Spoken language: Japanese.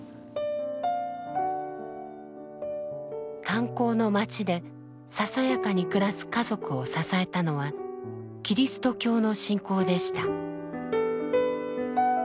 炭鉱の町でささやかに暮らす家族を支えたのはキリスト教の信仰でした。